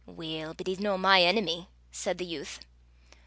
"Weel, but he's no my enemy," said the youth.